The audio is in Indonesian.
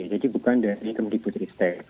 jadi bukan dari kemendikbutristek